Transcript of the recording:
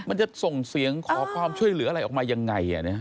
มันจะส่งเสียงขอความช่วยเหลืออะไรออกมายังไง